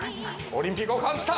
オリンピックを感じた？